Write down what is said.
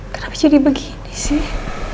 kenapa jadi begini sih